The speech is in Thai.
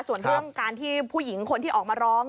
ส่วนเรื่องการที่ผู้หญิงคนที่ออกมาร้อง